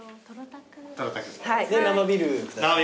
生ビール下さい。